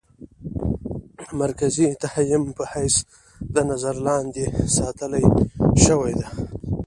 د مرکزي تهيم په حېث د نظر لاندې ساتلے شوې ده.